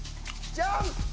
「ジャンプ！」